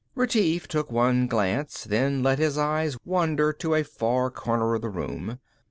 Retief took one glance, then let his eyes wander to a far corner of the room.